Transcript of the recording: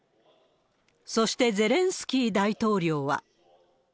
そしてゼレンスキー大統領は。